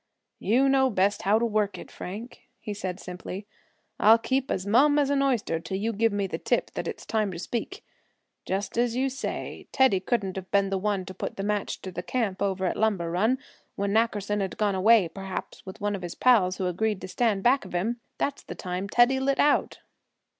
"You know best how to work it, Frank," he said simply. "I'll keep as mum as an oyster till you give me the tip that it's time to speak. Just as you say, Teddy couldn't have been the one to put the match to the camp over at Lumber Run. When Nackerson had gone away, perhaps with one of his pals who agreed to stand back of him, that's the time Teddy lit out."